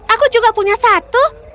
aku juga punya satu